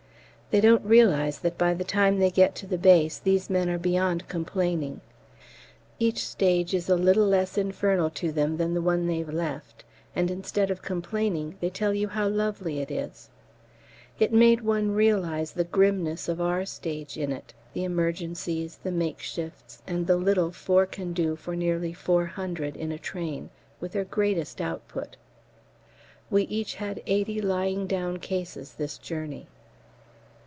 They don't realise that by the time they get to the base these men are beyond complaining; each stage is a little less infernal to them than the one they've left; and instead of complaining, they tell you how lovely it is! It made one realise the grimness of our stage in it the emergencies, the makeshifts, and the little four can do for nearly 400 in a train with their greatest output. We each had 80 lying down cases this journey.